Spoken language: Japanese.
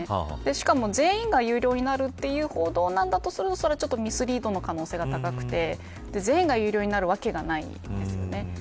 しかも全員が有料になるという報道なんだとするとそれはミスリードの可能性が高くて全員が有料になるわけがないんですよね。